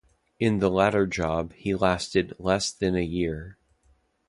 In the latter job he lasted less than a year.